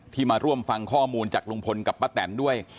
มาร่วมฟังข้อมูลจากลุงพลกับป้าแตนด้วย